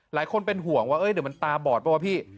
หลายคนเป็นห่วงว่าเดี๋ยวมันตาบอดป่ะวะพี่